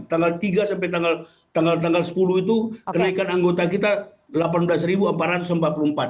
tanggal tiga sampai tanggal tanggal sepuluh itu kenaikan anggota kita delapan belas empat ratus empat puluh empat